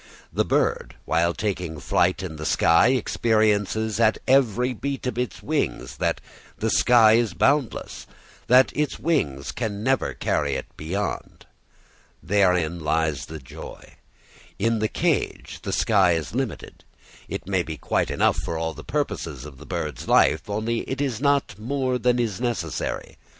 The bird, while taking its flight in the sky, experiences at every beat of its wings that the sky is boundless, that its wings can never carry it beyond. Therein lies its joy. In the cage the sky is limited; it may be quite enough for all the purposes of the bird's life, only it is not more than is necessary.